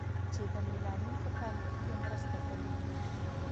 چې د میلانین په تولید کې مرسته کوي.